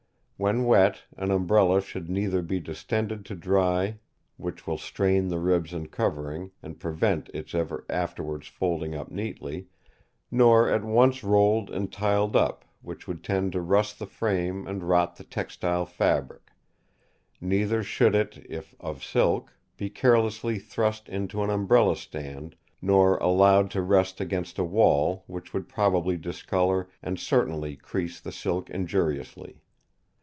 When wet, an Umbrella should neither be distended to dry, which will strain the ribs and covering, and prevent its ever afterwards folding up neatly, nor at once rolled and tied up, which would tend to rust the frame and rot the textile fabric; neither should it, if of silk, be carelessly thrust into an Umbrella stand, nor allowed to rest against a wall, which would probably discolour, and certainly crease the silk injuriously.